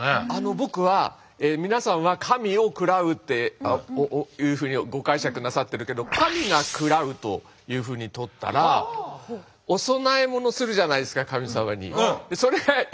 僕は皆さんは「神を喰らう」っていうふうにご解釈なさってるけど「神が喰らう」というふうにとったら何かなくなっちゃう。